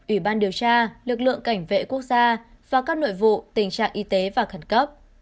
ủy ban điều tra lực lượng cảnh vệ quốc gia và các nội vụ tình trạng y tế và khẩn cấp